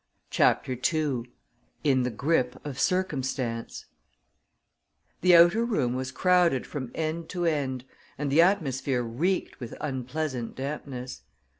CHAPTER II In the Grip of Circumstance The outer room was crowded from end to end, and the atmosphere reeked with unpleasant dampness.